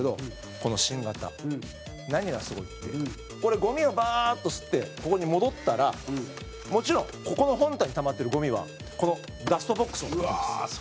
この新型、何がすごいってこれ、ゴミをバーッと吸ってここに戻ったらもちろんここの本体にたまってるゴミはこのダストボックスにいくんです。